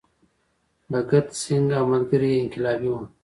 بهګت سینګ او ملګري یې انقلابي وو.